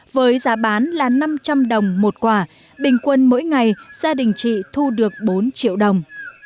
với giá bán là năm trăm linh đồng một quả bình quân mỗi ngày gia đình chị thu được bốn triệu đồng